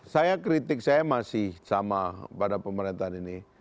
saya kritik saya masih sama pada pemerintahan ini